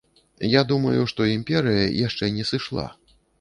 Я думаю, што імперыя яшчэ не сышла.